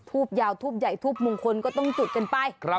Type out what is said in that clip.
ทูบยาวทูบใหญ่ทูบมงคลก็ต้องจุดกันไป